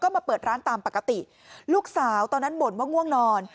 มาเปิดร้านตามปกติลูกสาวตอนนั้นบ่นว่าง่วงนอน